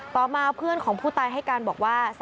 ต่อมาเพื่อนของผู้ตายให้การบอกว่า